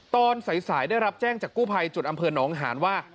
ตอนสายได้รับแจ้งจากกู้ภัยจุดอำเภอหนองหานว่า